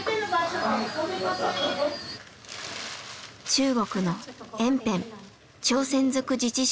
中国の延辺朝鮮族自治州の出身。